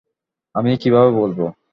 আমি কীভাবে বলবো?